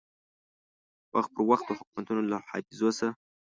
وخت پر وخت د حکومتو له حافظو سه